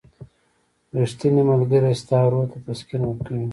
• ریښتینی ملګری ستا روح ته تسکین ورکوي.